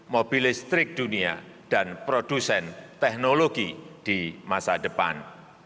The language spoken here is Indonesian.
mobil listrik dunia dan produsen teknologi di masa depan